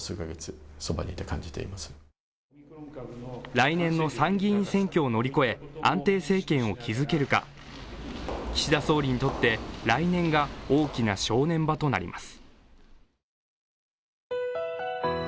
来年の参議院選挙を乗り越え安定政権を築けるか、岸田総理にとって来年が大きな正念場となります。